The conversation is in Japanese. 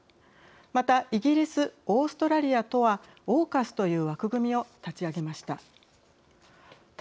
また、イギリスオーストラリアとはＡＵＫＵＳという枠組みを立ち上げました。